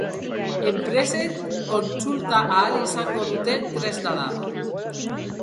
Enpresek kontsultatu ahal izango duten tresna da.